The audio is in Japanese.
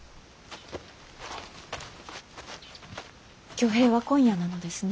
挙兵は今夜なのですね。